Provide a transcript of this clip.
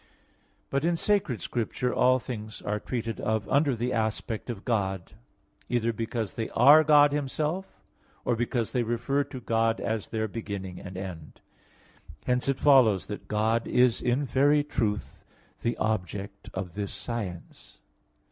But in sacred science, all things are treated of under the aspect of God: either because they are God Himself or because they refer to God as their beginning and end. Hence it follows that God is in very truth the object of this science.